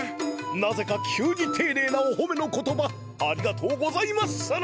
なぜか急にていねいなおほめの言葉ありがとうございまっする！